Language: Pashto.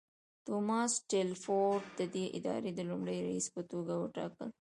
توماس ټیلفورډ ددې ادارې د لومړني رییس په توګه وټاکل.